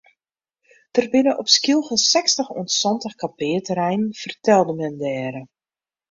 Der binne op Skylge sechstich oant santich kampearterreinen fertelde men dêre.